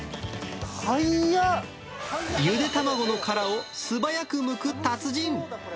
ゆで卵の殻を素早くむく達人。